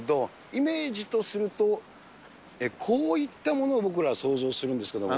イメージとすると、こういったものを僕らは想像するんですけども。